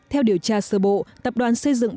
theo điều tra sơ bộ tập đoàn xây dựng